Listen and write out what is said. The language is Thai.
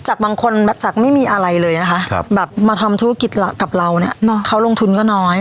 บางคนมาจากไม่มีอะไรเลยนะคะแบบมาทำธุรกิจกับเราเนี่ยเขาลงทุนก็น้อย